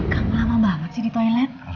kamu lama banget sih di toilet